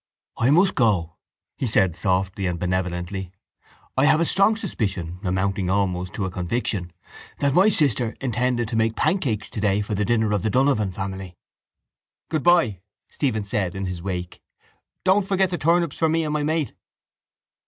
—I must go, he said softly and benevolently, I have a strong suspicion, amounting almost to a conviction, that my sister intended to make pancakes today for the dinner of the Donovan family. —Goodbye, Stephen said in his wake. Don't forget the turnips for me and my mate.